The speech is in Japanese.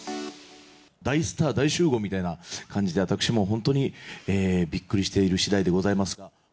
大スター大集合みたいな感じで私も本当にびっくりしているしだいでございます。